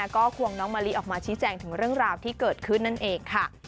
ก็ควงน้องมะลิออกมาชี้แจงถึงเรื่องราวที่เกิดขึ้นนั่นเองค่ะ